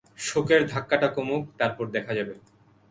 শোকের ধাক্কাটা কমুক, তারপর দেখা যাবে।